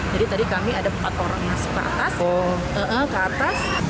jadi tadi kami ada empat orang masuk ke atas